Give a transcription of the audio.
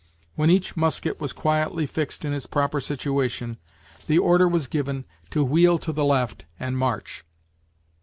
When each musket was quietly fixed in its proper situation, the order was given to wheel to the left, and march.